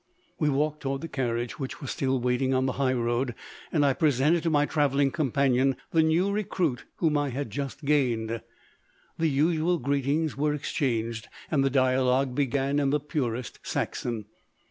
We walked toward the carriage, which was still waiting on the highroad, and I presented to my travelling companion the new recruit whom I had just gained. The usual greetings were exchanged, and the dialogue began in the purest Saxon.